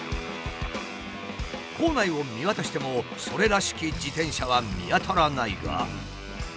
構内を見渡してもそれらしき自転車は見当たらないが。